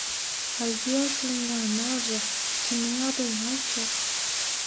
haýsy ýaşulyň ýanyna barjak, kime ýagdaýyňy aýtjak?